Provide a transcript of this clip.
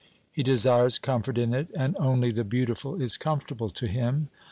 He desires comfort in it, and only the beautiful is comfortable to him.